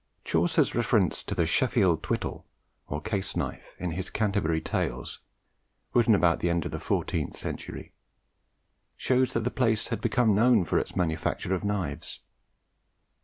Chaucer's reference to the 'Sheffield thwytel' (or case knife) in his Canterbury Tales, written about the end of the fourteenth century, shows that the place had then become known for its manufacture of knives.